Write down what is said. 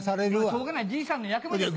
しょうがないじいさんの役目ですよね。